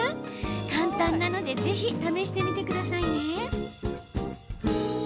簡単なので試してみてくださいね。